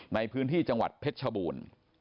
ในพื้นที่จังหวัดเพชรชบูรณ์